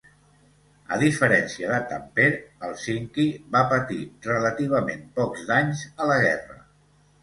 A diferència de Tampere, Hèlsinki va patir relativament pocs danys a la guerra.